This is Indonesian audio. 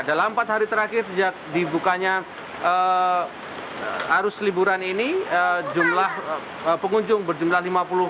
dalam empat hari terakhir sejak dibukanya arus liburan ini jumlah pengunjung berjumlah lima puluh empat